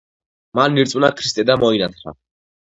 მან ირწმუნა ქრისტე და მოინათლა.